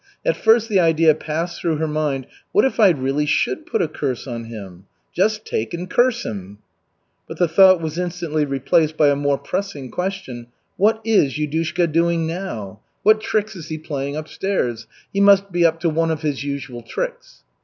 At first the idea passed through her mind: "What if I really should put a curse on him just take and curse him?" But the thought was instantly replaced by a more pressing question, "What is Yudushka doing now? What tricks is he playing upstairs? He must be up to one of his usual tricks."